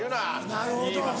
なるほど。